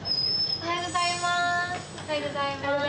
おはようございます。